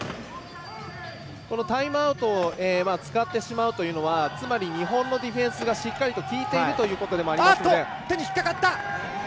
タイムアウトを使ってしまうというのはつまり、日本のディフェンスがしっかりと効いているということでもあります。